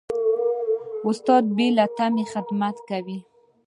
استاد بې له تمې خدمت کوي.